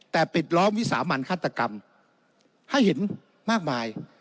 แต่ปิดล้อมวิสามันฆาตกรรมให้เห็นมากมาย